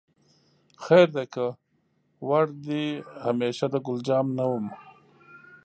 خیر دی که وړ دې همیشه د ګلجمال نه وم